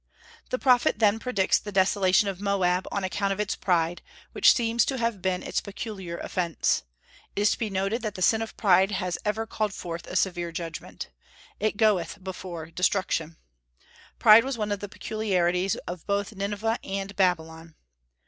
The prophet then predicts the desolation of Moab on account of its pride, which seems to have been its peculiar offence. It is to be noted that the sin of pride has ever called forth a severe judgment. "It goeth before destruction." Pride was one of the peculiarities of both Nineveh and Babylon.